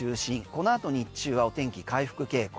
このあと日中はお天気回復傾向。